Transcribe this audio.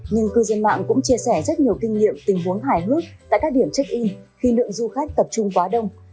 nhưng cư dân mạng cũng chia sẻ rất nhiều kinh nghiệm tình huống hài hước tại các điểm check in khi lượng du khách tập trung quá đông